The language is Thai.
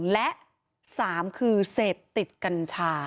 และ๓คือเสพติดกัญชา